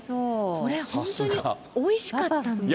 これ、本当においしかったんです。